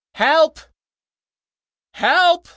" Help ! help